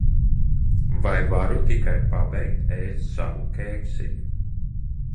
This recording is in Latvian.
Vai varu tikai pabeigt ēst savu kēksiņu?